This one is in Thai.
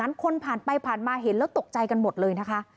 อะไรถึงซัดกันนัวแบบนั้นคนผ่านไปผ่านมาเห็นแล้วตกใจกันหมดเลยนะคะ